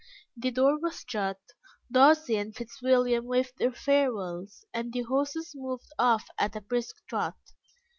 The door was shut, Darcy and Fitzwilliam waved their farewells, and the horses moved off at a brisk trot.